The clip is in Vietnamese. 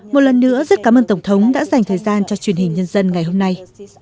một lần nữa rất cảm ơn tổng thống đã dành thời gian cho truyền hình nhân dân ngày hôm nay